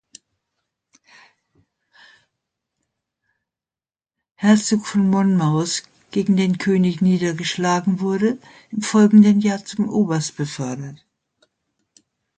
Herzog von Monmouth, gegen den König niedergeschlagen wurde, im folgenden Jahr zum Oberst befördert.